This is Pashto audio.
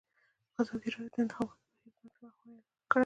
ازادي راډیو د د انتخاباتو بهیر د منفي اړخونو یادونه کړې.